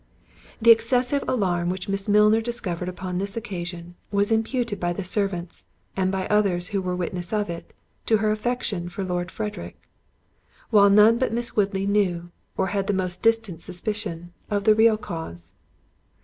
The excessive alarm which Miss Milner discovered upon this occasion, was imputed by the servants, and by others who were witnesses of it, to her affection for Lord Frederick; while none but Miss Woodley knew, or had the most distant suspicion of the real cause.